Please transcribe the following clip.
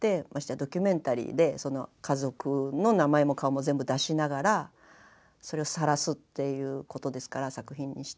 ドキュメンタリーでその家族の名前も顔も全部出しながらそれをさらすっていうことですから作品にして。